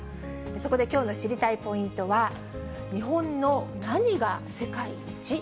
そこできょうの知りたいポイントは、日本の何が世界一？